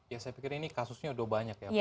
ya saya pikir ini kasusnya sudah banyak ya